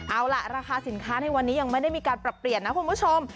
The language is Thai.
เอาล่ะราคาสินค้าในวันนี้ยังไม่ได้มีการปรับเปลี่ยนนะคุณผู้ชม